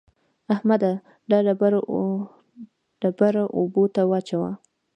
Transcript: احمده! دا ډبره اوبو ته واچوه.